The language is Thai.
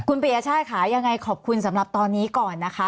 คุณปียชาติค่ะยังไงขอบคุณสำหรับตอนนี้ก่อนนะคะ